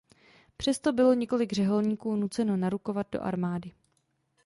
Přesto bylo několik řeholníků nuceno narukovat do armády.